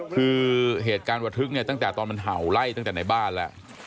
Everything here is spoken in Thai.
คือเหตุการณ์ระทึกเนี่ยตั้งแต่ตอนมันเห่าไล่ตั้งแต่ในบ้านแล้ว